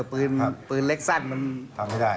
ปืนปืนเล็กสั้นมันทำไม่ได้